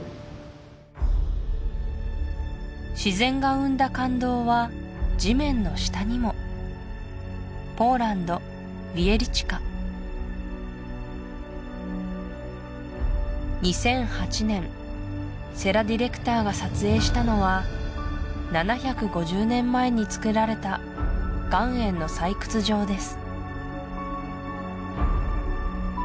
自然が生んだ感動は地面の下にも２００８年世良ディレクターが撮影したのは７５０年前につくられた岩塩の採掘場です